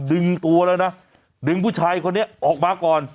ดึงตัวแล้วนะดึงผู้ชายคนนี้ออกมาก่อน